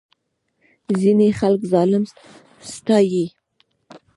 ځینې خلک ظالم ستایي.